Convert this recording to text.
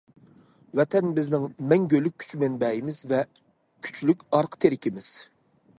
ۋەتەن بىزنىڭ مەڭگۈلۈك كۈچ مەنبەيىمىز ۋە كۈچلۈك ئارقا تىرىكىمىز!